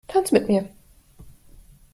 Tanz mit mir!